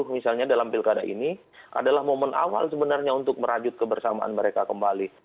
dua ribu dua puluh misalnya dalam bilkada ini adalah momen awal sebenarnya untuk merajut kebersamaan mereka kembali